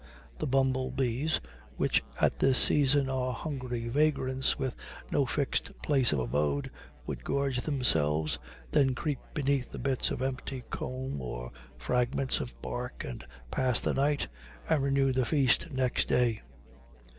The bumblebees, which at this season are hungry vagrants with no fixed place of abode, would gorge themselves, then creep beneath the bits of empty comb or fragments of bark and pass the night, and renew the feast next day.